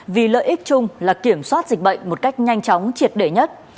vì lợi ích chung là kiểm soát dịch bệnh một cách nhanh chóng triệt để nhất